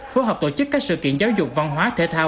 phố học tổ chức các sự kiện giáo dục văn hóa thể thao